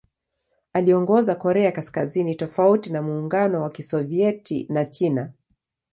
Aliongoza Korea Kaskazini tofauti na Muungano wa Kisovyeti na China.